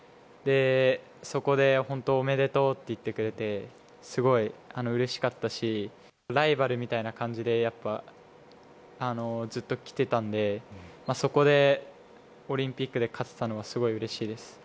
そこで本当、おめでとうって言ってくれてすごいうれしかったしライバルみたいな感じでずっときていたのでそこで、オリンピックで勝てたのはすごいうれしいです。